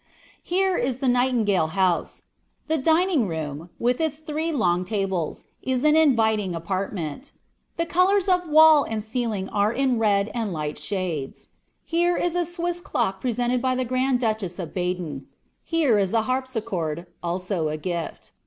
Here is the "Nightingale Home." The dining room, with its three long tables, is an inviting apartment. The colors of wall and ceiling are in red and light shades. Here is a Swiss clock presented by the Grand Duchess of Baden; here a harpsichord, also a gift.